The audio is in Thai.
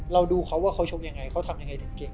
เราดูเขาว่าเขาชกยังไงเขาทำยังไงถึงเก่ง